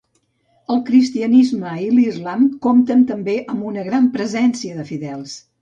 El Cristianisme i l'islam compten també amb una gran presència de fidels.